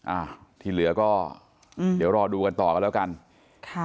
อ่ะที่เหลือก็อืมเดี๋ยวรอดูกันต่อกันแล้วกันค่ะ